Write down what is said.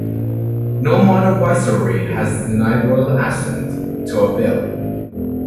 No modern viceroy has denied Royal Assent to a bill.